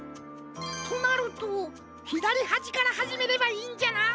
となるとひだりはじからはじめればいいんじゃな。